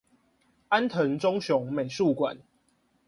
安藤忠雄美術館